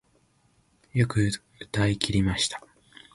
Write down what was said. よく歌い切りました